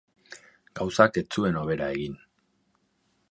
Gauzak ez zuen hobera egin.